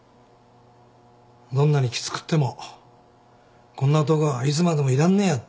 どんなにきつくってもこんなとこはいつまでもいらんねえ